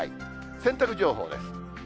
洗濯情報です。